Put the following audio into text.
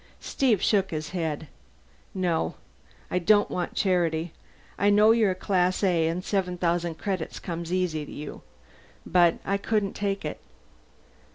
Steve shook his head. "No. I don't want charity. I know you're a Class A and seven thousand credits comes easy to you, but I couldn't take it.